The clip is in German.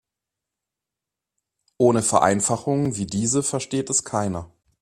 Ohne Vereinfachungen wie diese versteht es keiner.